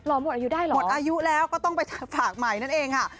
หมดอายุได้เหรอหมดอายุแล้วก็ต้องไปฝากใหม่นั่นเองค่ะ